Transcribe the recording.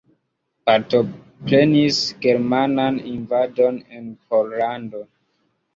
Partoprenis germanan invadon en Pollando.